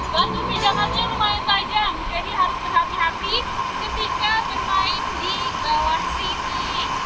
bantu pinjam hatinya lumayan tajam jadi harus berhati hati ketika bermain di bawah sini